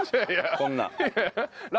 こんなん。